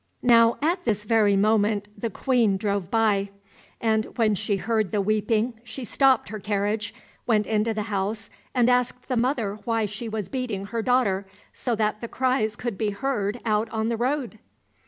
Now at this very moment the Queen drove by, and when she heard the weeping she stopped her carriage, went into the house and asked the mother why she was beating her daughter so that the cries could be heard out on the road?